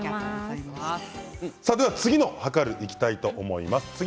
次のはかるにいきたいと思います。